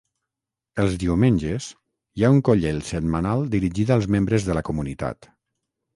Els diumenges, hi ha un Kollel setmanal dirigit als membres de la comunitat.